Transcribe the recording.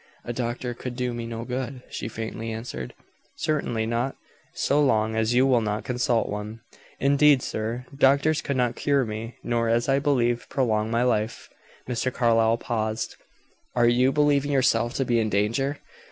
"A doctor could do me no good," she faintly answered. "Certainly not, so long as you will not consult one." "Indeed, sir, doctors could not cure me, nor, as I believe prolong my life." Mr. Carlyle paused. "Are you believing yourself to be in danger?"